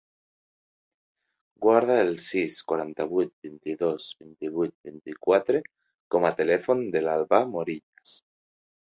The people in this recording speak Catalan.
Guarda el sis, quaranta-vuit, vint-i-dos, vint-i-vuit, vuitanta-quatre com a telèfon de l'Albà Morillas.